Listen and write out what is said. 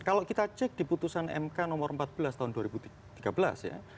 kalau kita cek di putusan mk nomor empat belas tahun dua ribu tiga belas ya